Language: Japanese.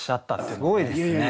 すごいですね。